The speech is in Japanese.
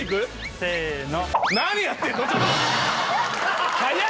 せの。